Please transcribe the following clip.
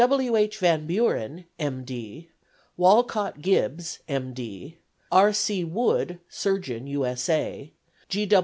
D., W. H. Van Buren, M. D., Wolcott Gibbs, M. D., R. C. Wood, surgeon U. S. A.